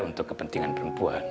untuk kepentingan perempuan